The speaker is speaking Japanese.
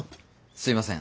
すいません。